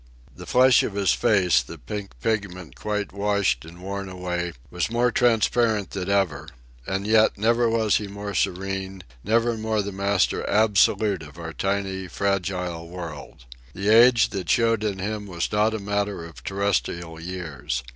The flesh of his face, the pink pigment quite washed and worn away, was more transparent than ever; and yet never was he more serene, never more the master absolute of our tiny, fragile world. The age that showed in him was not a matter of terrestrial years.